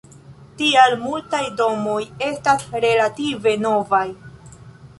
Tial multaj domoj estas relative novaj.